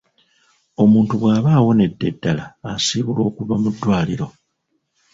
Omuntu bw'aba awonedde ddala asiibulwa okuva mu ddwaliro.